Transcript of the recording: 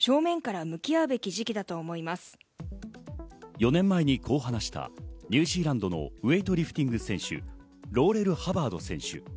４年前にこう話したニュージーランドのウエイトリフティング選手、ローレル・ハバード選手。